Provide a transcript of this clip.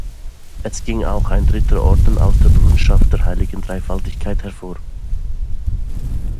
Es ging auch ein dritter Orden aus der Bruderschaft der Heiligen Dreifaltigkeit hervor.